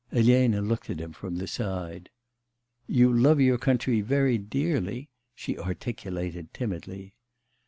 Elena looked at him from the side. 'You love your country very dearly?' she articulated timidly.